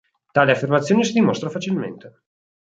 Tale affermazione si dimostra facilmente.